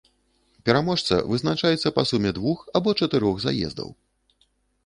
Пераможца вызначаецца па суме двух або чатырох заездаў.